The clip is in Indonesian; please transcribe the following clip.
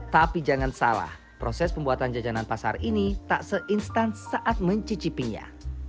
tapi jangan salah proses pembuatan jajanan pasar ini tak se instan saat mencicipinya